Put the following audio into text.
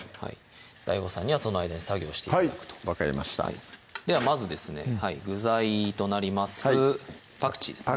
ＤＡＩＧＯさんにはその間に作業して頂くと分かりましたではまずですね具材となりますパクチーですね